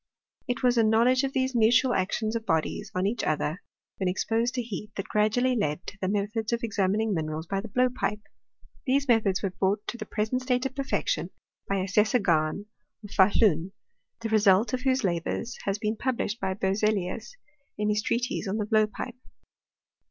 It was a know ledge of these mutual actions of bodies on each other, when exposed to heat, that gradually led to the me thods of examining minerals by the blowpipe. These methods were brought to the present state of perfection by Assessor Gahn, of Fahluji, the [result of whose la bours has been published by Berzelius, in his treatise on the blowpipe.